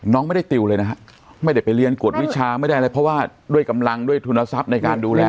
น้องไม่ได้ติวเลยนะฮะไม่ได้ไปเรียนกวดวิชาไม่ได้อะไรเพราะว่าด้วยกำลังด้วยทุนทรัพย์ในการดูแล